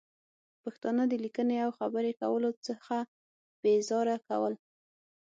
پښتانه د لیکنې او خبرې کولو څخه بې زاره کول